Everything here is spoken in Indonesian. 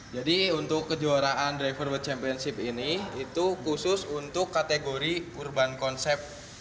jadi untuk kejuaraan drivers world championship ini itu khusus untuk kategori urban concept